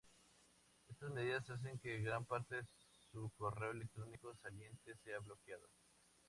Estas medidas hacen que gran parte de su correo electrónico saliente sea bloqueado.